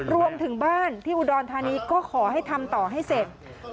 รวมถึงบ้านที่อุดรธานีก็ขอให้ทำต่อให้เสร็จ